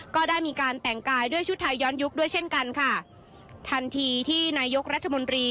ก็ได้มีการแต่งกายด้วยชุดไทยย้อนยุคด้วยเช่นกันค่ะทันทีที่นายกรัฐมนตรี